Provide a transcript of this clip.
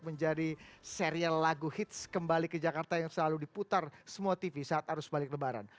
menjadi serial lagu hits kembali ke jakarta yang selalu diputar semua tv saat arus balik lebaran